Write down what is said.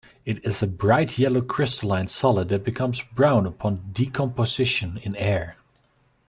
It is a bright yellow crystalline solid that becomes brown upon decomposition in air.